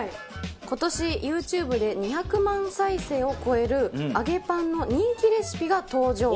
今年ユーチューブで２００万再生を超える揚げパンの人気レシピが登場。